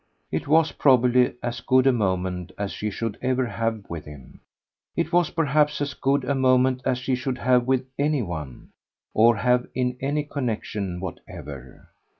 It was probably as good a moment as she should ever have with him. It was perhaps as good a moment as she should have with any one, or have in any connexion whatever.